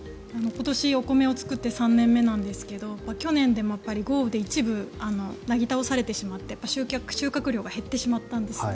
今年、お米を作って３年目なんですけど去年でもやっぱり豪雨で一部なぎ倒されてしまって収穫量が減ってしまったんですね。